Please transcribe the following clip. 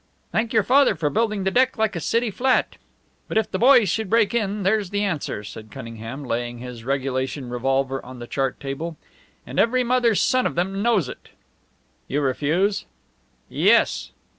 "Thank your father for building the deck like a city flat. But if the boys should break in, there's the answer," said Cunningham, laying his regulation revolver on the chart table. "And every mother's son of them knows it." "You refuse?" "Yes."